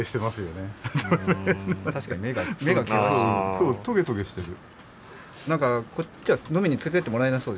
そうトゲトゲしてる。